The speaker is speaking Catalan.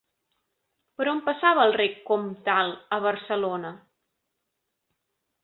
Per on passava el rec Comtal a Barcelona?